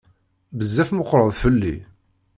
Bezzaf meqqreḍ fell-i.